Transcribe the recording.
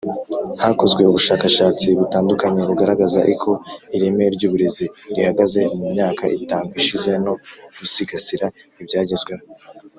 hakozwe ubushakashatsi butandukanye bugaragaza iko ireme ry’uburezi rihagaze mu myaka itanu ishize no gusigasira ibyagezweho.